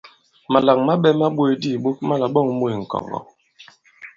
Màlàŋ maɓɛ̄ ma ɓōs di ìɓok ma là-ɓɔ᷇ŋ mût ŋ̀kɔ̀ŋgɔ̀.